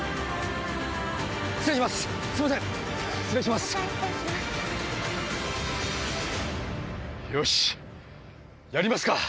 失礼します！